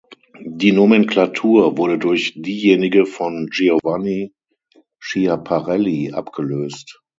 Die Nomenklatur wurde durch diejenige von Giovanni Schiaparelli abgelöst.